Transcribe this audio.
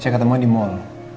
saya ketemuan di mall